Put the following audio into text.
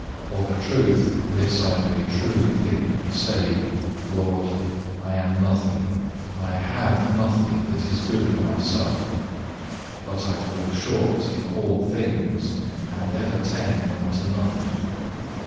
Of a truth, this I may truly think and say, Lord, I am nothing, I have nothing that is good of myself, but I fall short in all things, and ever tend unto nothing.